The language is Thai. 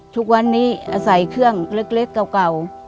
ทุกวันนี้ใส่ข้องเล็กเก่า